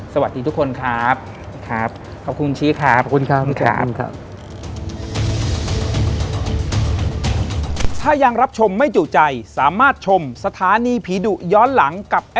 สวัสดีทุกคนครับขอบคุณชิคครับ